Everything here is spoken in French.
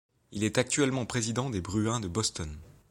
Il est actuellement président des Bruins de Boston.